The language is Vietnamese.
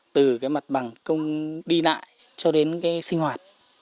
từ cái mặt bằng công đi lại cho đến cái sinh hoạt